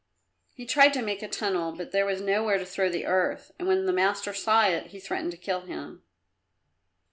He tried to make a tunnel but there was nowhere to throw the earth, and when the master saw it, he threatened to kill him.